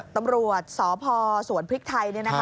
ตำรวจสอบภอสวนพริกไทยนะคะ